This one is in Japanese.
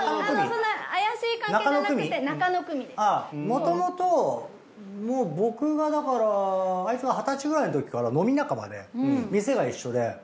もともと僕がだからアイツが二十歳くらいのときから飲み仲間で店が一緒で。